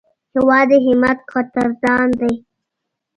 هېواد د همت قدردان دی.